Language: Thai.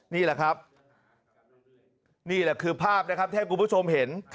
นี่แหละครับนี่แหละคือภาพนะครับที่ให้คุณผู้ชมเห็น